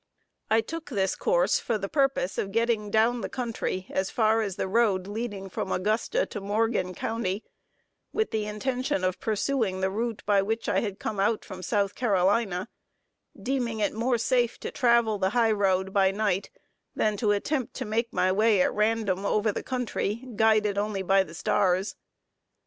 I took this course for the purpose of getting down the country as far as the road leading from Augusta to Morgan County, with the intention of pursuing the route by which I had come out from South Carolina; deeming it more safe to travel the high road by night, than to attempt to make my way at random over the country, guided only by the stars.